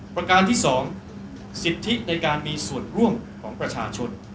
ประการที่๒สิทธิในการมีส่วนร่วมของประชาชน